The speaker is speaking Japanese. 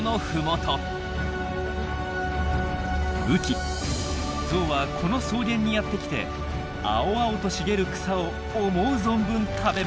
雨季ゾウはこの草原にやって来て青々と茂る草を思う存分食べます。